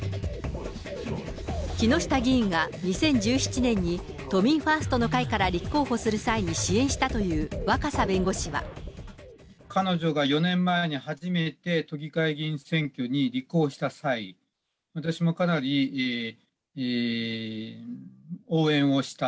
木下議員が２０１７年に、都民ファーストの会から立候補する際に支援したという若狭弁護士彼女が４年前に初めて都議会議員選挙に立候補した際、私もかなり応援をした。